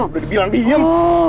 udah dibilang diem